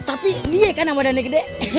tapi ini kan badannya gede